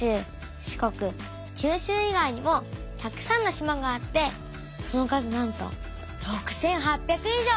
四国九州以外にもたくさんの島があってその数なんと６，８００以上。